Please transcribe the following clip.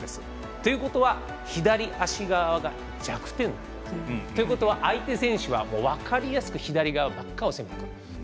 ということは、左足側が弱点。ということは相手選手は分かりやすく左側ばっかを攻める。